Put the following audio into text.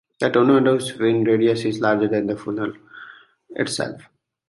The tornado's wind radius is larger than the funnel itself.